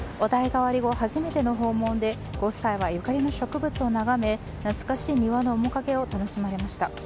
お代替わり後、初めての訪問でご夫妻はゆかりの植物を眺め懐かしい庭の面影を楽しまれました。